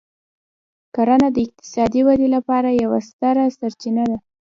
کرنه د اقتصادي ودې لپاره یوه ستره سرچینه ده.